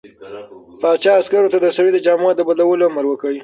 پاچا عسکرو ته د سړي د جامو د بدلولو امر وکړ.